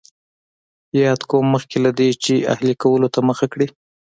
یاد قوم مخکې له دې چې اهلي کولو ته مخه کړي